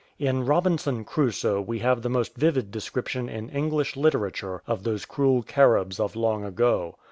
In Robinson Crusoe we have the most vivid description in English literature of those cruel Caribs of long ago.